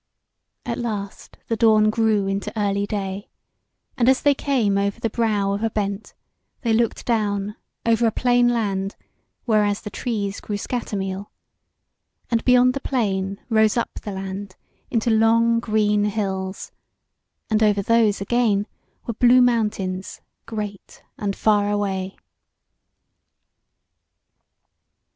At last the dawn grew into early day, and as they came over the brow of a bent, they looked down over a plain land whereas the trees grew scatter meal, and beyond the plain rose up the land into long green hills, and over those again were blue mountains great and far away.